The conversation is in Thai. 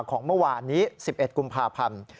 ของเมื่อวานนี้๑๑กุมภาพันธ์